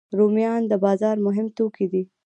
رومیان د بازار مهم توکي دي